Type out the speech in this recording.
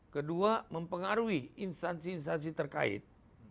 kedua mempengaruhi instansi instansi terkait